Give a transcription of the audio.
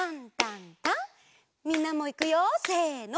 みんなもいくよせの。